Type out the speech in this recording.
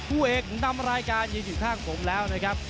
ผู้เอกนำรายการยืนอยู่ข้างผมแล้วนะครับ